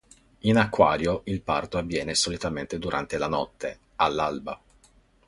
In acquario il parto avviene solitamente durante la notte, all'alba.